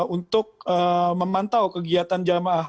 untuk memantau kegiatan jamaah